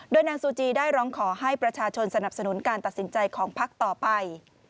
นางซูจีได้ร้องขอให้ประชาชนสนับสนุนการตัดสินใจของพักต่อไป